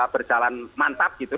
berjalan mantap gitu